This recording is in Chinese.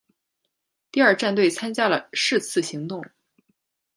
第二战队参加了是次行动。